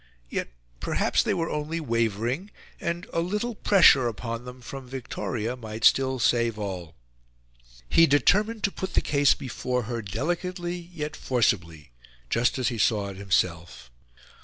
Yet, perhaps, they were only wavering, and a little pressure upon them from Victoria might still save all. He determined to put the case before her, delicately yet forcibly just as he saw it himself.